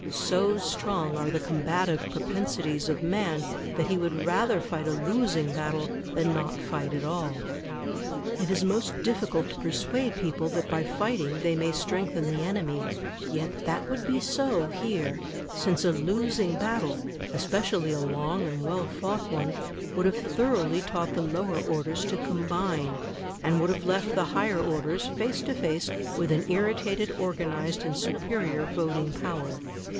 So strong are the combative propensities of man that he would rather fight a losing battle than not fight at all. It is most difficult to persuade people that by fighting they may strengthen the enemy, yet that would be so here; since a losing battle especially a long and well fought one would have thoroughly taught the lower orders to combine, and would have left the higher orders face to face with an irritated, organised, and superior voting power.